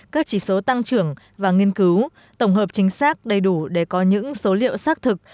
các chỉ số tăng trưởng và nghiên cứu tổng hợp chính xác đầy đủ để có những số liệu xác thực